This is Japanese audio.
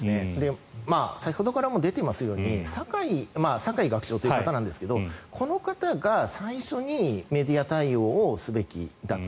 先ほどからも出ていますように酒井学長という方なんですがこの方が最初にメディア対応をすべきだった。